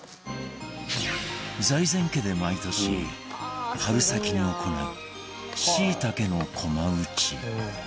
財前家で、毎年春先に行うしいたけの駒打ち